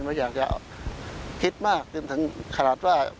ไม่อยากจะคิดมากจนถึงขนาดว่า